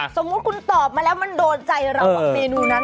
สมมุติคุณตอบมาแล้วมันโดนใจเรากับเมนูนั้น